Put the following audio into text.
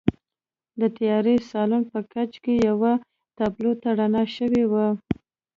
د تیاره سالون په کونج کې یوې تابلو ته رڼا شوې وه